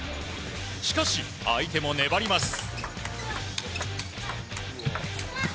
しかし、相手も粘ります。